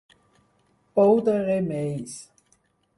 Pou de remeis.